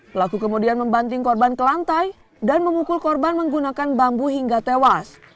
pelaku kemudian membanting korban ke lantai dan memukul korban menggunakan bambu hingga tewas